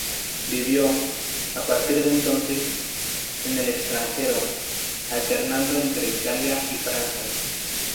Vivió, a partir de entonces, en el extranjero, alternando entre Italia y Francia.